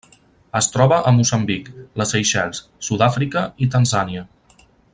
Es troba a Moçambic, les Seychelles, Sud-àfrica i Tanzània.